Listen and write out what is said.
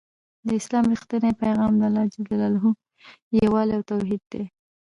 د اسلام رښتينی پيغام د الله يووالی او توحيد دی